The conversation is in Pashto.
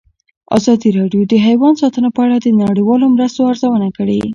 ازادي راډیو د حیوان ساتنه په اړه د نړیوالو مرستو ارزونه کړې.